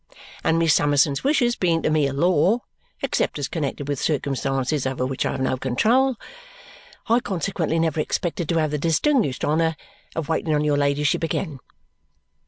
And Miss Summerson's wishes being to me a law (except as connected with circumstances over which I have no control), I consequently never expected to have the distinguished honour of waiting on your ladyship again."